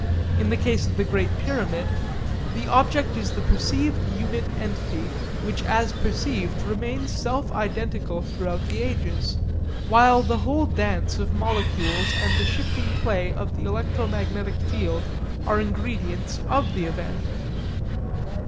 In the case of the Great Pyramid, the object is the perceived unit entity which as perceived remains self identical throughout the ages; while the whole dance of molecules and the shifting play of the electromagnetic field are ingredients of the event.